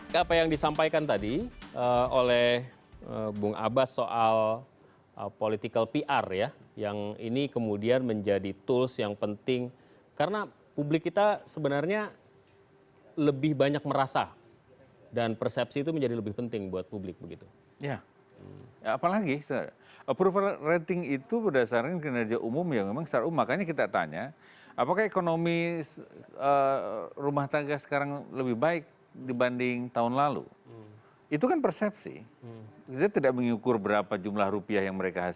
tapi kalau misalnya diganti lebih baik atau gimana